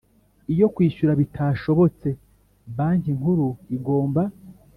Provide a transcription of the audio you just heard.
Iyo kwishyura bitashobotse Banki Nkuru igomba